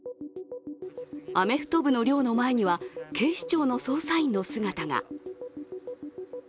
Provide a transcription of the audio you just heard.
アメフト部の寮の前には警視庁の捜査員の姿が。